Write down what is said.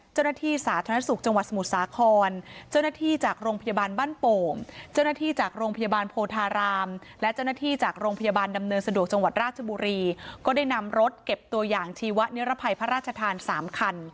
เจ้าหน้าที่สาธินสุขจังหวัดสมุทรศาขร